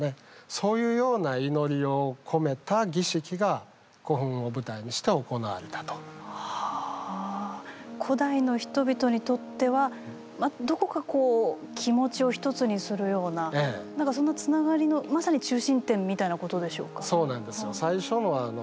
そして亡き王に対しては古代の人々にとってはどこか気持ちを一つにするような何かそのつながりのまさに中心点みたいなことでしょうか。